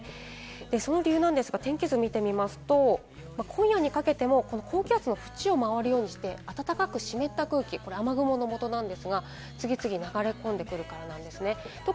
その理由なんですが天気図を見てみますと、今夜にかけても高気圧の縁を回るようにして暖かく湿った空気、雨雲のもとなんですが、次々流れ込んでくるからです。